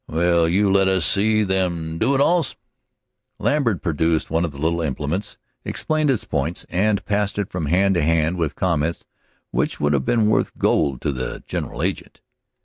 Will you let us see them Do it Alls?" Lambert produced one of the little implements, explained its points, and it passed from hand to hand, with comments which would have been worth gold to the general agent.